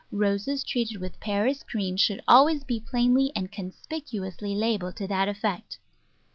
Roses treated with Paris green should always be plainly and conspic uously labelled to that effect.